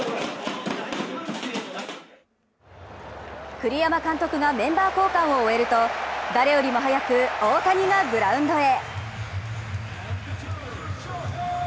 栗山監督がメンバー交換を終えると大谷翔平が誰よりも早く大谷がグラウンドへ。